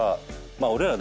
まあ俺ら。